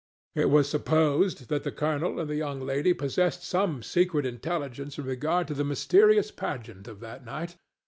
It was supposed that the colonel and the young lady possessed some secret intelligence in regard to the mysterious pageant of that night.